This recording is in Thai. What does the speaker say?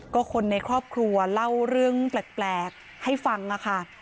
ก็คนในครอบครัวเล่าเรื่องแปลกให้ฟังค่ะ